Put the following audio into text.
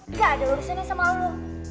gak ada urusan sama lo